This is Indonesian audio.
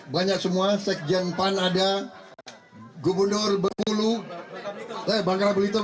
banyak semua sekjen panada gubundur bekulu